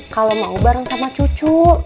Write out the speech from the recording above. kalau mau bareng sama cucu